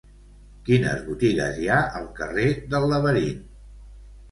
Quines botigues hi ha al carrer del Laberint?